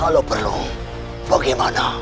kalau perlu bagaimana